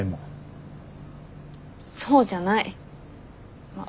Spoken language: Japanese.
そうじゃない。